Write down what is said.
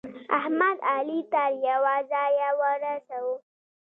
احمد؛ علي تر يوه ځايه ورساوو.